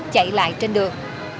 chạy lại trên đường